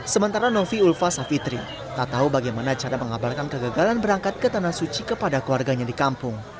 sementara novi ulfa savitri tak tahu bagaimana cara mengabarkan kegagalan berangkat ke tanah suci kepada keluarganya di kampung